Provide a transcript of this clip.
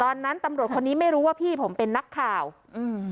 ตอนนั้นตำรวจคนนี้ไม่รู้ว่าพี่ผมเป็นนักข่าวอืม